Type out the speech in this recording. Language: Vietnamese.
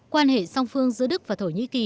quan hệ song phương giữa đức và thổ nhĩ kỳ